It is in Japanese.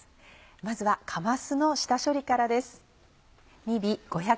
まずはかますの下処理からです。